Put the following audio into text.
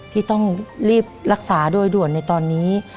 ที่ต้องรีบรักษาโดยด่วนในตอนนี้